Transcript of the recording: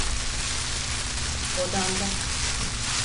Odanda.